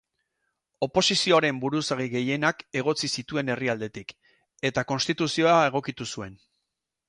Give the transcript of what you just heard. Oposizioaren buruzagi gehienak egotzi zituen herrialdetik, eta konstituzioa egokitu zuen.